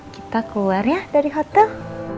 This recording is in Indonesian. kita keluar ya dari hotel